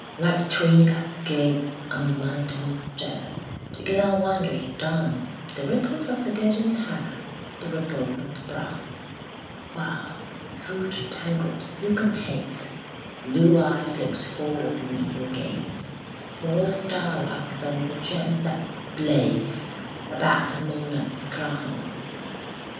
Like twin cascades on mountain stair Together wandered down The ripples of the golden hair, The ripples of the brown: While, through the tangled silken haze, Blue eyes looked forth in eager gaze, More starlike than the gems that blaze About a monarch's crown.